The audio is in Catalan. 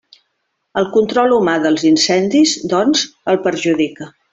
El control humà dels incendis, doncs, el perjudica.